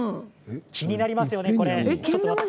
気になりますよね。